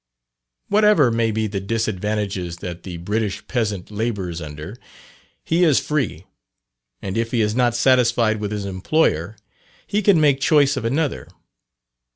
Whatever may be the disadvantages that the British peasant labours under, he is free; and if he is not satisfied with his employer he can make choice of another.